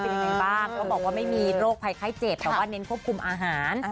ก็บอกว่าไม่มีโรคภัยไข้เจ็บแต่ว่าเน้นควบคุมอาหาร